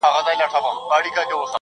• په بوتلونو شـــــراب ماڅښلي.